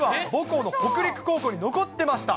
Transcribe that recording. うちわ、母校の北陸高校に残ってました。